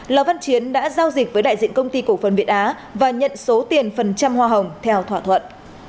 lò văn chiến đã giao dịch với đại diện công ty cổ phần việt á và nhận số tiền phần trăm hoa hồng theo thỏa thuận